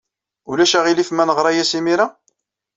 Ulac aɣilif ma neɣra-as imir-a?